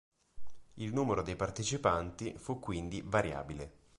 Il numero dei partecipanti fu quindi variabile.